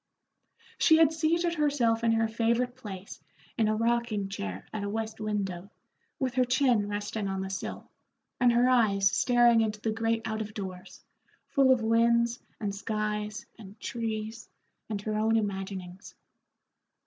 She had seated herself in her favorite place in a rocking chair at a west window, with her chin resting on the sill, and her eyes staring into the great out of doors, full of winds and skies and trees and her own imaginings.